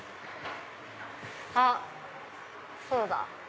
あっそうだ。